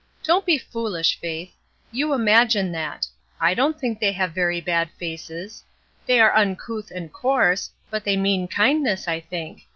''Don't be foolish, Faith. You imagine that. I don't think they have very br d faces. They are uncouth and coarse, but they mean kindness, I think.